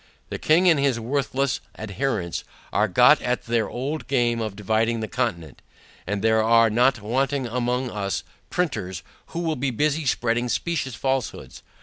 The king and his worthless adherents are got at their old game of dividing the Continent, and there are not wanting among us, Printers, who will be busy spreading specious falsehoods.